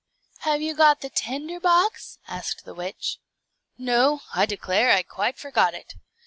"Have you got the tinder box?" asked the witch. "No; I declare I quite forgot it."